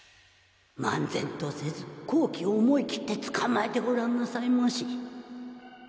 漫然とせず好機を思い切ってつかまえてごらんなさいまし